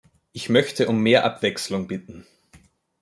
Ich möchte um mehr Abwechslung bitten.